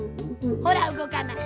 ほらうごかない。